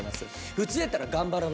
普通やったら「頑張ろな」。